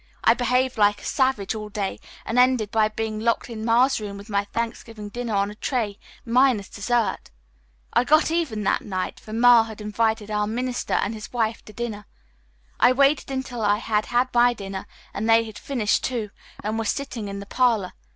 I behaved like a savage all day and ended by being locked in Ma's room with my Thanksgiving dinner on a tray, minus dessert. I got even that night, though, for Ma had invited our minister and his wife to dinner. I waited until I had had my dinner and they had finished, too, and were sitting in the parlor.